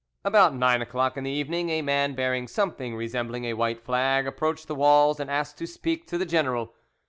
About nine o'clock in the evening, a man bearing something resembling a white flag approached the walls and asked to speak to the general.